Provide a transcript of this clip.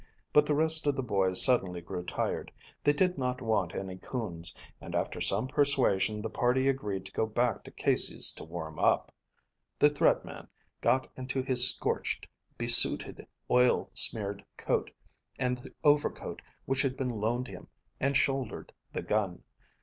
But the rest of the boys suddenly grew tired. They did not want any coons, and after some persuasion the party agreed to go back to Casey's to warm up. The Thread Man got into his scorched, besooted, oil smeared coat, and the overcoat which had been loaned him, and shouldered the gun.